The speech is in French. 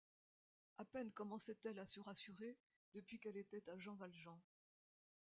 À peine commençait-elle à se rassurer depuis qu’elle était à Jean Valjean.